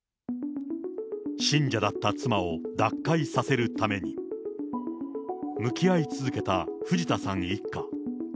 信者だった妻を脱会させるために、向き合い続けた藤田さん一家。